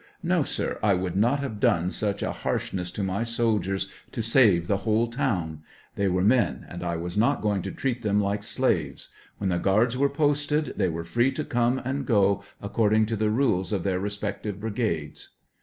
No, sir; I would not have done such a harshness to my soldiers to save the whole town ; they were men, and I was not going to treat them like slaves ; when the guards were posted, they were free to come and go, according to the rules of their respective brigades.